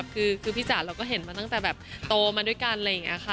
คือพี่จ๋าเราก็เห็นมาตั้งแต่แบบโตมาด้วยกันอะไรอย่างนี้ค่ะ